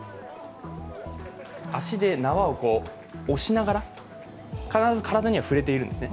足で縄を押しながら必ず体には触れているんですね。